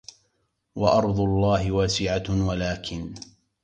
وأرض الله واسعة ولكن